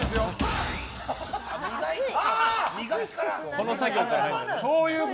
この作業から。